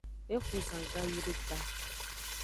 Exo zan gawideka.